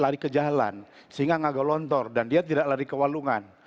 lari ke jalan sehingga agak lontor dan dia tidak lari ke walungan